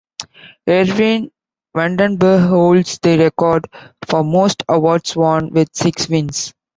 Erwin Vandenbergh holds the record for most awards won, with six wins.